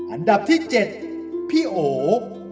อันดับที่๗พี่โอ